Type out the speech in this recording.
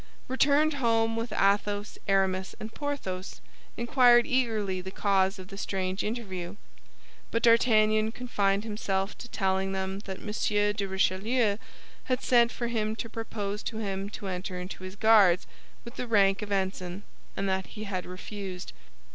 Returned home with Athos, Aramis and Porthos inquired eagerly the cause of the strange interview; but D'Artagnan confined himself to telling them that M. de Richelieu had sent for him to propose to him to enter into his guards with the rank of ensign, and that he had refused.